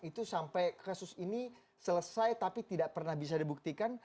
itu sampai kasus ini selesai tapi tidak pernah bisa dibuktikan